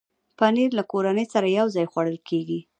پنېر له کورنۍ سره یو ځای خوړل کېږي.